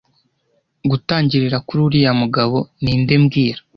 Gutangirira kuri uriya mugabo ninde mbwira